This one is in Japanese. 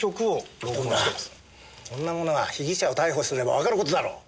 糸村そんなものは被疑者を逮捕すればわかる事だろ！